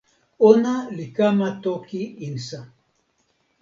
ona li kama toki insa.